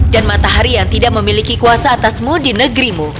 dan matahari yang tidak memiliki kuasa atasmu di negerimu